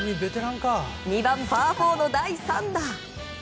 ２番、パー４の第３打。